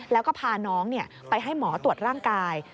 แล้วก็พาน้องไปให้หมอตรวจร่างกาย